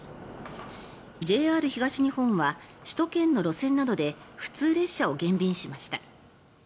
ＪＲ東日本は首都圏の路線などで普通列車を減便しました。